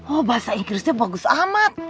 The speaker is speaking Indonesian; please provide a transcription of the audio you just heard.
oh bahasa inggrisnya bagus amat